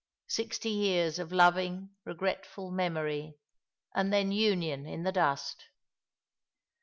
Sixty years of loving, regretful memory, and then union in the dust.